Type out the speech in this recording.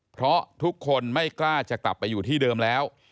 เพราะทุกคนไม่กล้าจะกลับไปอยู่ที่เดิมแล้ว